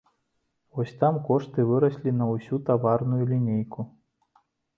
Вось там кошты выраслі на ўсю таварную лінейку.